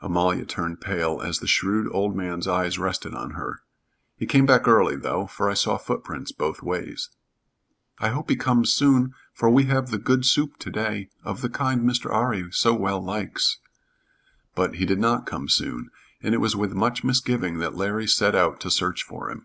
Amalia turned pale as the shrewd old man's eyes rested on her. "He came back early, though, for I saw footprints both ways." "I hope he comes soon, for we have the good soup to day, of the kind Mr. 'Arry so well likes." But he did not come soon, and it was with much misgiving that Larry set out to search for him.